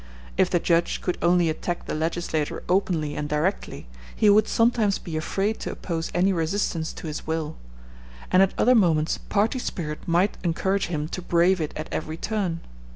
If the judge could only attack the legislator openly and directly, he would sometimes be afraid to oppose any resistance to his will; and at other moments party spirit might encourage him to brave it at every turn.